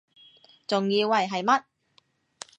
仲以為係乜????